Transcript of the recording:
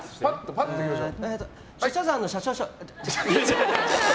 ぱっといきましょう。